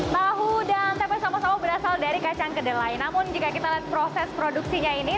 tahu dan tempe sama sama berasal dari kacang kedelai namun jika kita lihat proses produksinya ini